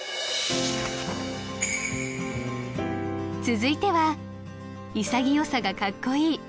続いては潔さがかっこいい！